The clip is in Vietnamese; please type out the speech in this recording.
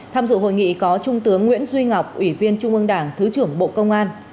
tham dự hội nghị có trung tướng nguyễn duy ngọc ủy viên trung ương đảng thứ trưởng bộ công an